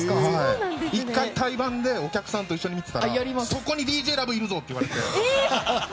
１回、対バンでお客さんと一緒に見ていたらそこにＤＪＬＯＶＥがいるぞって言われて。